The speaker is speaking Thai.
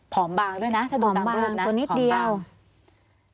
ผอมบางด้วยนะค่ะดูตามฝูบนะผอมบางตัวนิดเดียว